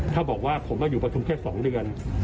ถ้าบอกว่าผมมาอยู่ประทุมแค่๒เดือน